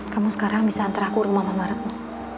kamu sekarang bisa antar aku ke rumah mama retno